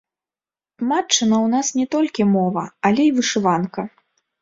Матчына ў нас не толькі мова, але і вышыванка.